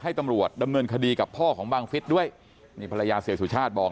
ตำรวจดำเนินคดีกับพ่อของบังฟิศด้วยนี่ภรรยาเสียสุชาติบอก